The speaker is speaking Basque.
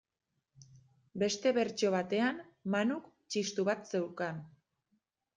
Beste bertsio batean, Manuk txistu bat zeukan.